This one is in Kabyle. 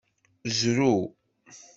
Zrew!